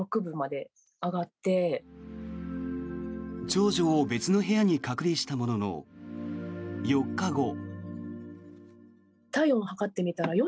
長女を別の部屋に隔離したものの４日後。